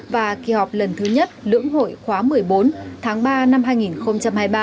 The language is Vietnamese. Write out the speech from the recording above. và kỳ họp lần thứ nhất lưỡng hội khóa một mươi bốn tháng ba năm hai nghìn hai mươi ba